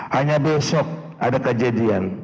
hanya besok ada kejadian